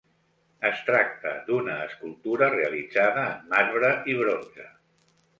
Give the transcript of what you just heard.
Es tracta d'una escultura realitzada en marbre i bronze.